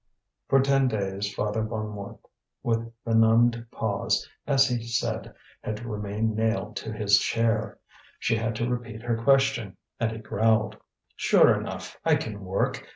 For ten days Father Bonnemort, with benumbed paws, as he said, had remained nailed to his chair. She had to repeat her question, and he growled: "Sure enough, I can work.